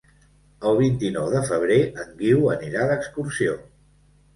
El vint-i-nou de febrer en Guiu anirà d'excursió.